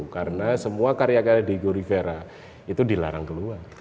karena semua karya karya diego rivera itu dilarang keluar